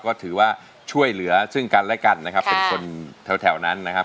ก็ถือว่าช่วยเหลือซึ่งกันและกันนะครับเป็นคนแถวนั้นนะครับ